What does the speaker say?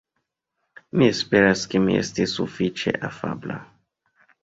Mi esperas ke mi estis sufiĉe afabla.